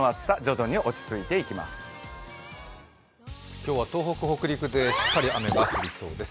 今日は東北、北陸でしっかり雨が降りそうです。